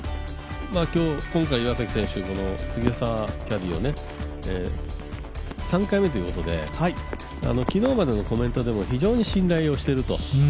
今回、岩崎選手、杉澤キャディー、３回目ということで昨日までのコメントでも非常に信頼をしていると。